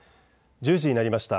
１０時になりました。